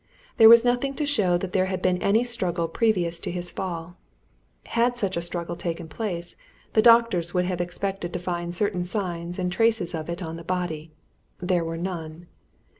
There was nothing to show that there had been any struggle previous to his fall. Had such a struggle taken place, the doctors would have expected to find certain signs and traces of it on the body: there were none.